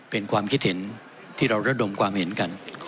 เป็นความคิดเห็นที่เราระดมความเห็นกัน